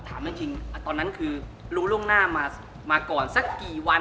ถามจริงตอนนั้นคือรู้ล่วงหน้ามาก่อนสักกี่วัน